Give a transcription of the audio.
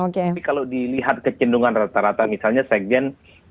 tapi kalau dilihat kecenderungan rata rata misalnya segen